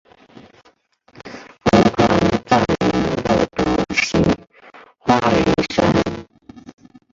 吴宽葬于木渎西花园山。